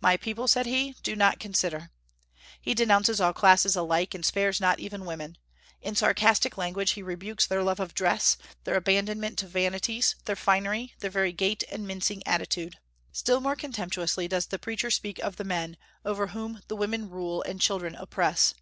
"My people," said he, "do not consider." He denounces all classes alike, and spares not even women. In sarcastic language he rebukes their love of dress, their abandonment to vanities, their finery, their very gait and mincing attitude. Still more contemptuously does the preacher speak of the men, over whom the women rule and children oppress.